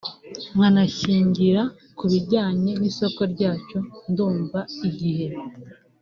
nkanashingira ku bijyanye n'isoko ryacu ndumva Igihe